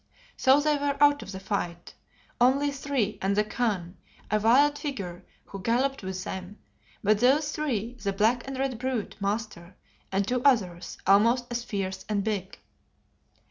So they were out of the fight. Only three, and the Khan, a wild figure, who galloped with them; but those three, the black and red brute, Master, and two others almost as fierce and big.